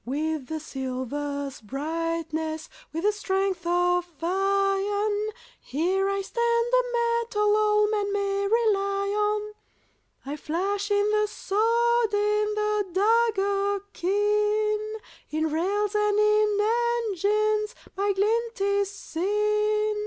With the silver's brightness, With the strength of iron, Here I stand, a metal All men may rely on. I flash in the sword, In the dagger keen; In rails and in engines My glint is seen.